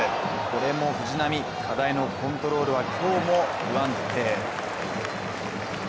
これも藤浪、課題のコントロールは今日も不安定。